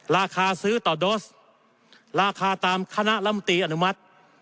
ราคาซื้อต่อโดสราคาตามคณะลำตีอนุมัติ